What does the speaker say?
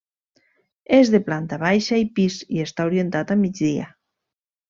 És de planta baixa i pis, i està orientat a migdia.